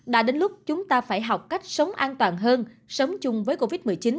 đã đến lúc chúng ta phải học cách sống an toàn hơn sống chung với covid một mươi chín